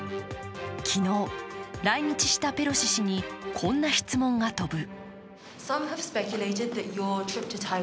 昨日来日したペロシ氏にこんな質問が飛ぶ。